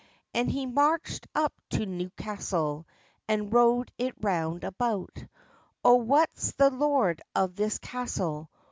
And he march'd up to Newcastle, And rode it round about: "O wha's the lord of this castle?